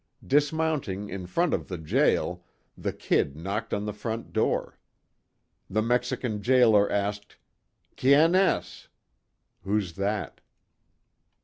Dismounting in front of the jail, the "Kid" knocked on the front door. The Mexican jailer asked; "Quien es?" (Who's that?)